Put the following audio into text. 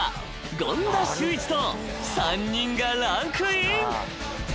［権田修一と３人がランクイン］